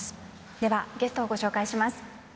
では、ゲストをご紹介します。